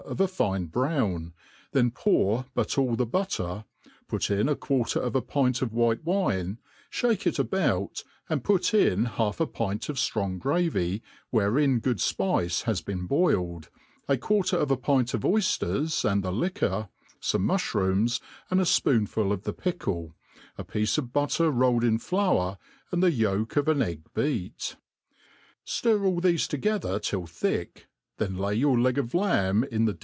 of a fine browri," then pour ' but all the butter, put \n a quarter of a pint of white wine, Ihake it about, and put iii half a pint of fl^rong gravy, wnere in good fpice has been boiled, a quarter of a pint of tyy^^ti and the liquor, fome muflirooms, and a fpoonful of the pickle, | a piece of butter rolled in flour, and the yolk of an egg beat j ftir all thefe together till thick, then lay yotif ieg of lamb in the